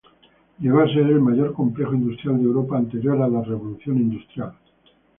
Llegó a ser el mayor complejo industrial de Europa anterior a la Revolución Industrial.